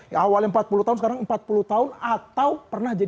jadi ini tuh